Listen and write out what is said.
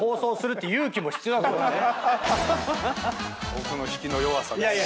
僕の引きの弱さです。